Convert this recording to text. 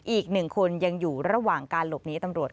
อีกหนึ่งคนยังอยู่ระหว่างการหลบหนีตำรวจ